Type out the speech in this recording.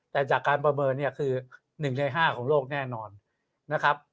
แต่จากการประเมินเนี่ยคือ๑ใน๕ของโลกแน่นอนนะครับ